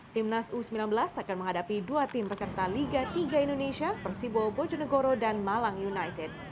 timnas u sembilan belas akan menghadapi dua tim peserta liga tiga indonesia persibo bojonegoro dan malang united